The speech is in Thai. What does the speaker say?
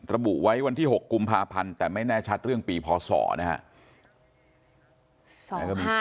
ระบุไว้วันที่๖กุมภาพันธ์แต่ไม่แน่ชัดเรื่องปีพศนะครับ